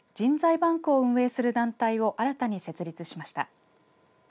バンクを運営する団体を新たに設立しました。